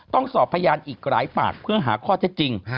ต้องสอบพยานอีกหลายปากเพื่อหาข้อเท็จจริง